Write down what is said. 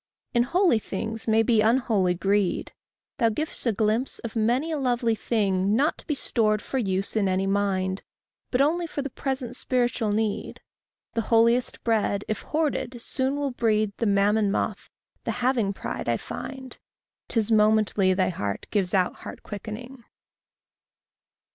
In holy things may be unholy greed. Thou giv'st a glimpse of many a lovely thing, Not to be stored for use in any mind, But only for the present spiritual need. The holiest bread, if hoarded, soon will breed The mammon moth, the having pride, I find. 'Tis momently thy heart gives out heart quickening.